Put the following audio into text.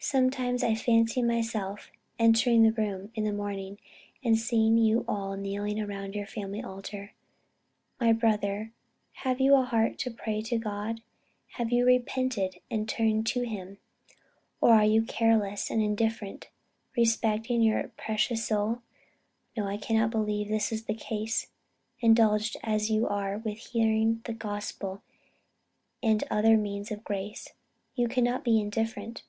Sometimes I fancy myself entering the room in the morning, and seeing you all kneeling around the family altar. My brother, have you a heart to pray to God? Have you repented and turned to him? Or are you all careless and indifferent respecting your precious soul? No, I cannot believe this is the case. Indulged as you are with hearing the gospel and other means of grace, you cannot be indifferent.